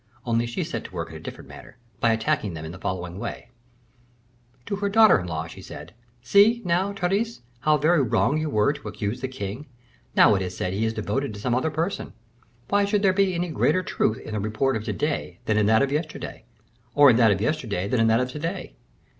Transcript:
Only she set to work in a different manner, by attacking them in the following way: To her daughter in law she said, "See, now, Therese, how very wrong you were to accuse the king; now it is said he is devoted to some other person; why should there be any greater truth in the report of to day than in that of yesterday, or in that of yesterday than in that of to day?"